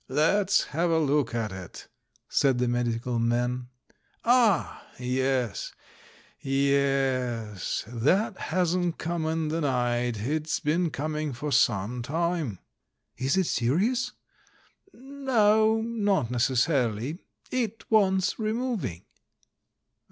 "Let's have a look at it," said the medical man. "Ah ! Yes. Y e s, that hasn't come in the night — it's been coming for some time." "Is it serious?" "No, not necessarily. It wants removing."